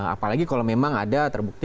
apalagi kalau memang ada terbukti